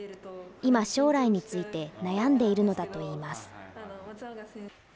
今、将来について悩んでいるのだといいます。